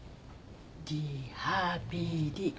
リハビリ。